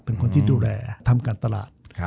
เป็นคนที่ดูแลทำการตลาด